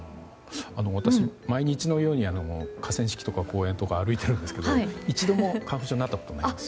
私、毎日のように河川敷とか公園を歩いているんですけど一度も花粉症になったことがないです。